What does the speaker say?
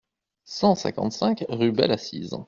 cent cinquante-cinq rue Belle Assise